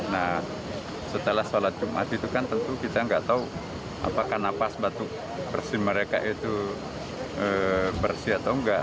nah setelah sholat jumat itu kan tentu kita nggak tahu apakah napas batu bersih mereka itu bersih atau enggak